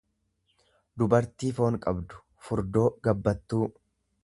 dubartii foon qabdu, furdoo, gabbattuu.